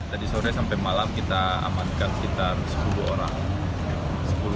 tadi sore sampai malam kita amankan sekitar sepuluh orang